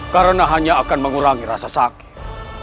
karena hanya akan mengurangi rasa sakit